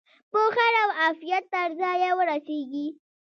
په خیر او عافیت تر ځایه ورسیږي.